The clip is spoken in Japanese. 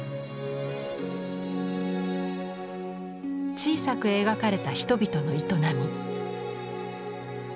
小さく描かれた人々の営み。